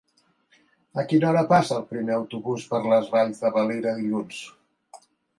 A quina hora passa el primer autobús per les Valls de Valira dilluns?